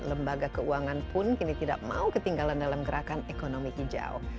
lembaga keuangan pun kini tidak mau ketinggalan dalam gerakan ekonomi hijau